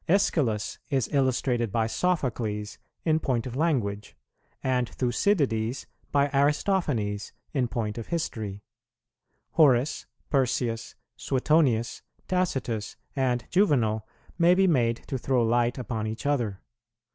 Æschylus is illustrated by Sophocles in point of language, and Thucydides by Aristophanes, in point of history. Horace, Persius, Suetonius, Tacitus, and Juvenal may be made to throw light upon each other.